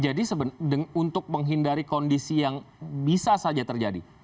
jadi untuk menghindari kondisi yang bisa saja terjadi